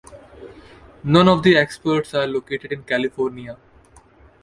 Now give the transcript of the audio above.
None of the experts are located in California.